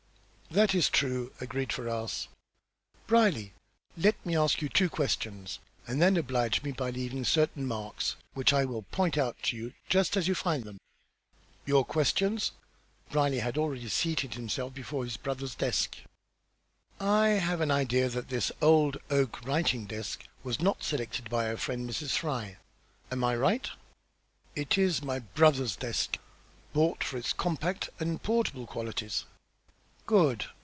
"That is true," agreed Ferrars. "Brierly, let me ask two questions, and then oblige me by leaving certain marks, which I will point out to you, just as you find them." "Your questions." Brierly had already seated himself before his brother's desk. "I have an idea that this old oak writing desk was not selected by our friend, Mrs. Fry. Am I right?" "It is my brother's desk; bought for its compact and portable qualities." "Good!